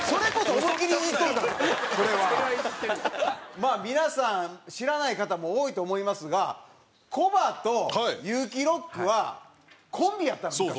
まあ皆さん知らない方も多いと思いますがコバとユウキロックはコンビやったの昔。